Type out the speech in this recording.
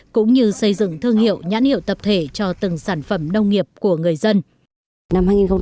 cũng như xây dựng thương hiệu nhãn hiệu tập thể cho từng sản phẩm nông nghiệp của người dân